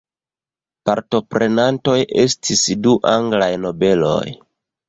Partoprenantoj estis du anglaj nobeloj.